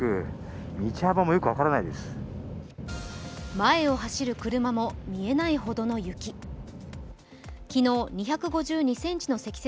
前を走る車も見えないほどの雪。